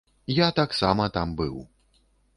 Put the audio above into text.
Я таксама там быў.